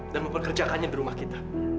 memperkerjakannya di rumah kita